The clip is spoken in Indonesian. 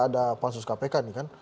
ada pansus kpk nih kan